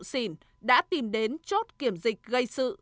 các đối tượng đã tìm đến chốt kiểm dịch gây sự